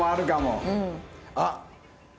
あっ！